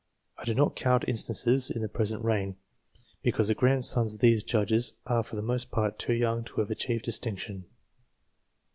I do not count instances in the present reign, because the grandsons of these judges are for the most part too young to have achieved distinction.